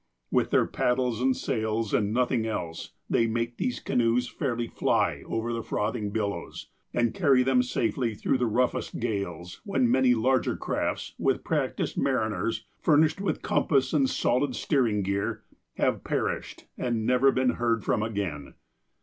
With their paddles and sails, and nothing else, they make these canoes fairly fly over the frothing billows, and carry them safely through the roughest gales, when many larger crafts, with practiced mariners, furnished with compass and solid steering gear, have perished and never been heard from again.